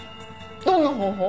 どんな方法？